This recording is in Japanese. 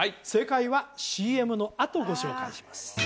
正解はＣＭのあとご紹介します